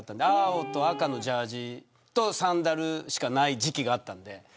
青と赤のジャージとサンダルしかない時期があったので。